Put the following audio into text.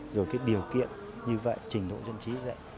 rồi cái điều kiện như vậy trình độ dân trí như vậy